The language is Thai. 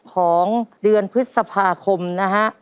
ของเดือนพฤษภาคมนะฮะ